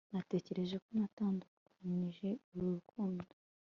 Natekereje ko natandukanije uru rukundo